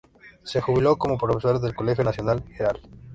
Se jubiló como profesor del Colegio Nacional Gral.